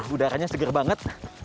udaranya seger banget